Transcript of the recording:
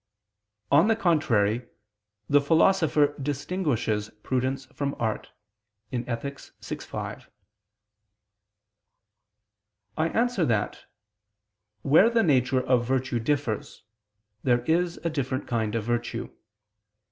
On the contrary, The Philosopher distinguishes prudence from art (Ethic. vi, 5). I answer that, Where the nature of virtue differs, there is a different kind of virtue.